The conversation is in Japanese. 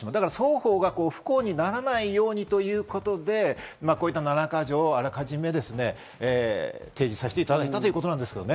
双方が不幸にならないようにということで、こういった七か条をあらかじめ提示させていただいたということなんですけどね。